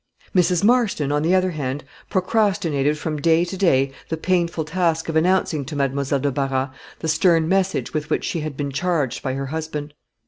Mrs. Marston, on the other hand, procrastinated from day to day the painful task of announcing to Mademoiselle de Barras the stern message with which she had been charged by her husband.